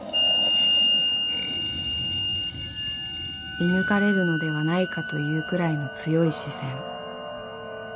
［射抜かれるのではないかというくらいの強い視線］